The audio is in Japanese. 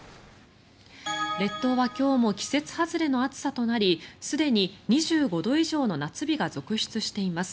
列島は今日も季節外れの暑さとなりすでに２５度以上の夏日が続出しています。